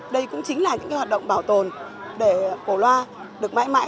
đây cũng chính là những hoạt động bảo tồn để cổ loa được mãi mãi